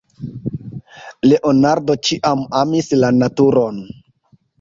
Leonardo ĉiam amis la naturon.